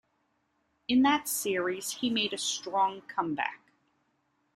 In that series, he made a strong comeback.